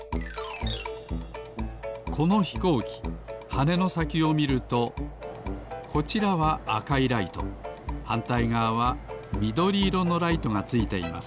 このひこうきはねのさきをみるとこちらはあかいライトはんたいがわはみどり色のライトがついています